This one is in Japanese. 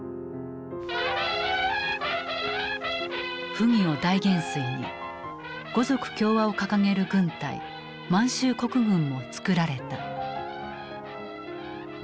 溥儀を大元帥に五族協和を掲げる軍隊満州国軍もつくられた。